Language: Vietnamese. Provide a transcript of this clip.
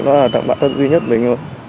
đó là thằng bạn thân duy nhất mình thôi